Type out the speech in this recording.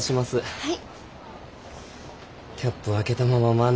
はい。